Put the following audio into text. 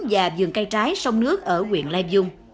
và vườn cây trái sông nước ở huyện lai dung